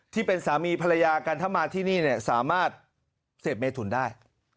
ที่เป็นสามีภรรยากันถ้ามาที่นี่สามารถเสพเมทุนได้